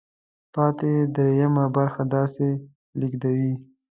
پاتې درېیمه برخه داسې لیږدوي.